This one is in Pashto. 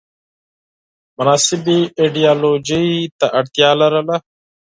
مناسبې ایدیالوژۍ ته اړتیا لرله